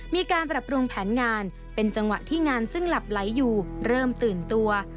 มีการปรับปรุงแผนงานเป็นจังหวะที่งานซึ่งหลับไหลอยู่เริ่มตื่นตัว